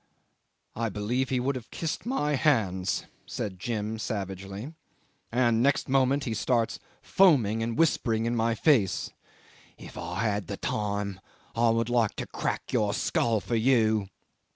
'"I believe he would have kissed my hands," said Jim savagely, "and, next moment, he starts foaming and whispering in my face, 'If I had the time I would like to crack your skull for you.